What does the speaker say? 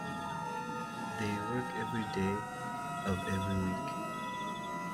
They work every day of every week.